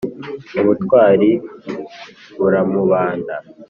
Ubutwari buramubanda,